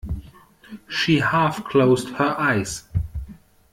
She half closed her eyes.